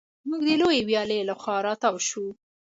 موږ د لویې ویالې له خوا را تاو شوو.